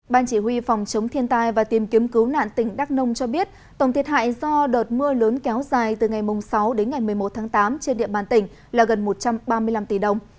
ban chỉ huy phòng chống thiên tai và tìm kiếm cứu nạn tỉnh đắk nông cho biết tổng thiệt hại do đợt mưa lớn kéo dài từ ngày sáu đến ngày một mươi một tháng tám trên địa bàn tỉnh là gần một trăm ba mươi năm tỷ đồng